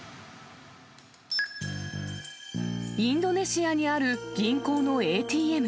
インドネシアにある銀行のＡＴＭ。